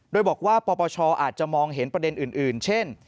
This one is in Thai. โดยบอกว่าปปชอาจจะมองเห็นประเด็นอื่นเช่น